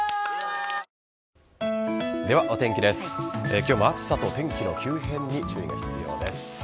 今日も暑さと天気の急変に注意が必要です。